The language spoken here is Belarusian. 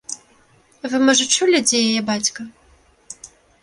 Вы, можа, чулі, дзе яе бацька?